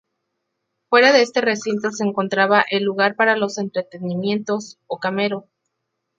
Fuera de este recinto se encontraba el lugar para los entretenimientos o camero.